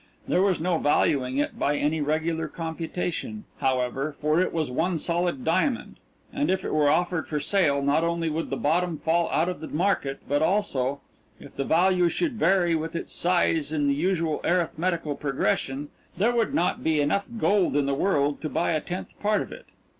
There was no valuing it by any regular computation, however, for it was one solid diamond and if it were offered for sale not only would the bottom fall out of the market, but also, if the value should vary with its size in the usual arithmetical progression, there would not be enough gold in the world to buy a tenth part of it.